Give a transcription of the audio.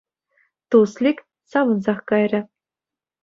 Туслик савӑнсах кайрӗ.